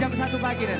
dan jepang amerikanya